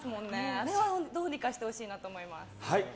あれはどうにかしてほしいなと思います。